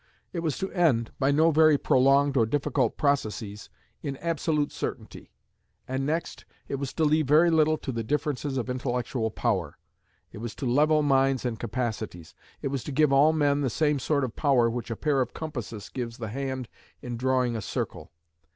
It was to end, by no very prolonged or difficult processes, in absolute certainty. And next, it was to leave very little to the differences of intellectual power: it was to level minds and capacities. It was to give all men the same sort of power which a pair of compasses gives the hand in drawing a circle.